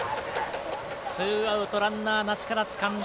ツーアウトランナーなしからつかんだ。